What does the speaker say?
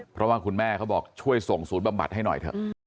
เพราะว่าคุณแม่เขาบอกช่วยส่งศูนย์บำบัดให้หน่อยเถอะ